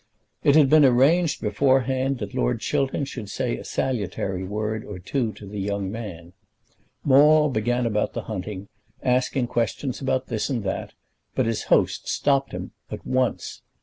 It had been arranged beforehand that Lord Chiltern should say a salutary word or two to the young man. Maule began about the hunting, asking questions about this and that, but his host stopped him at once.